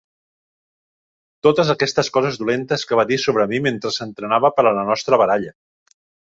Totes aquestes coses dolentes que va dir sobre mi mentre s'entrenava per a la nostra baralla.